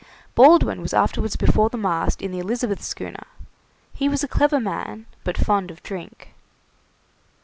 Baldwin was afterwards before the mast in the 'Elizabeth' schooner; he was a clever man, but fond of drink.